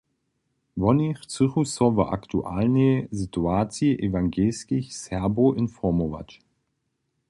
Woni chcychu so wo aktualnej situaciji ewangelskich Serbow informować.